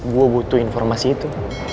gua butuh informasi itu